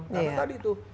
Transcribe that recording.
karena tadi itu